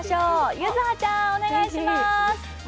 柚葉ちゃん、お願いします。